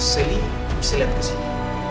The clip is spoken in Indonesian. selly bisa lihat ke sini